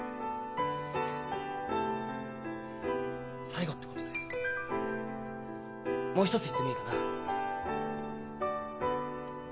最後ってことでもう一つ言ってもいいかな？